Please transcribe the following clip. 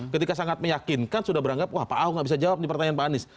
ketika sangat meyakinkan sudah beranggap wah pak ahok tidak bisa jawab pertanyaan pak anis